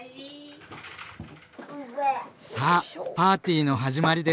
さあパーティーの始まりです！